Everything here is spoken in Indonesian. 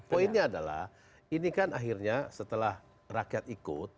poinnya adalah ini kan akhirnya setelah rakyat ikut